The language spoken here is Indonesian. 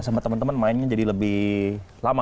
sama teman teman mainnya jadi lebih lama